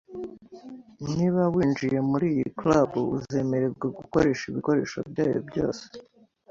Niba winjiye muri iyi club, uzemererwa gukoresha ibikoresho byayo byose